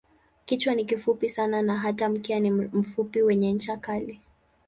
Kichwa ni kifupi sana na hata mkia ni mfupi wenye ncha kali.